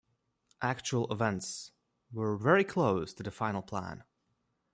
Actual events were very close to the final plan.